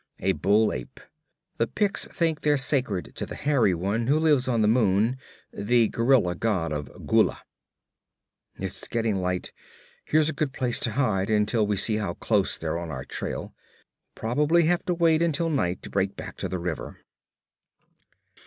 A bull ape. The Picts think they're sacred to the Hairy One who lives on the moon the gorilla god of Gullah. 'It's getting light. Here's a good place to hide until we see how close they're on our trail. Probably have to wait until night to break back to the river.'